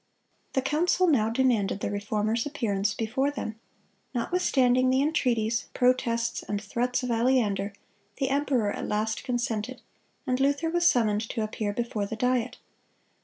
(204) The council now demanded the Reformer's appearance before them. Notwithstanding the entreaties, protests, and threats of Aleander, the emperor at last consented, and Luther was summoned to appear before the Diet.